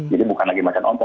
jadi bukan lagi macan ompong